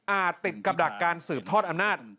ติดกับดักการสืบทอดอำนาจ